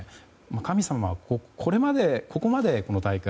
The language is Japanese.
神様はここまでの大会